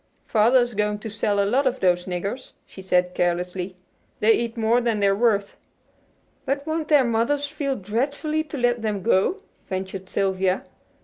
"Father's going to sell a lot of those niggers," she said carelessly. "They eat more than they're worth." "But won't their mothers feel dreadfully to let them go?" ventured Sylvia.